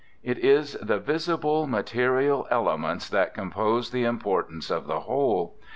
It is the visible, material ele ments that compose the importance of the whole.